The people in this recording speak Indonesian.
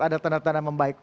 ada tanda tanda membaik